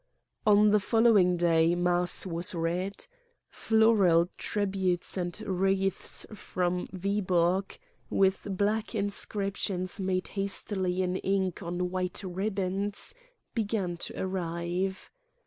"On the following day mass was read. Floral tributes and wreaths from Viborg, with black in scriptions made hastily in ink on white ribbons, began to arrive.